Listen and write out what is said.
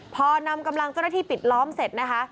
พอนำกำลังเจ้าหน้าที่ปิดล้อมเสร็จนะคะ